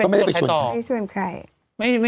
ไม่ได้ไปชวนใครต่อ